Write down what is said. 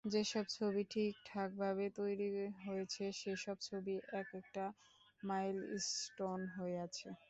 যেসব ছবি ঠিকঠাকভাবে তৈরি হয়েছে, সেসব ছবি একেকটা মাইলস্টোন হয়ে আছে।